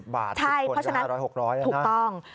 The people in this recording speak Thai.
๕๐บาท๑๐คนละ๕๐๐๖๐๐บาทนะฮะถูกต้อง